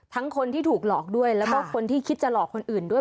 คนที่ถูกหลอกด้วยแล้วก็คนที่คิดจะหลอกคนอื่นด้วย